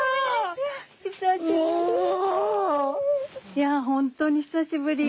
いや本当に久しぶり。